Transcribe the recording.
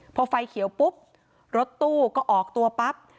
พอไฟเขียวปุ๊บรถตู้ก็ออกตัวปั๊บ